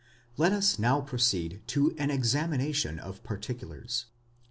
Let us now proceed to an examination of particulars.